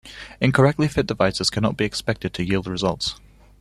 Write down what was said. Incorrectly fit devices cannot be expected to yield results.